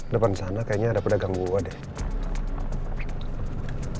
depan sana kayaknya ada pedagang gua deh